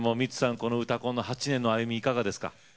この「うたコン」８年の歩みどうですか。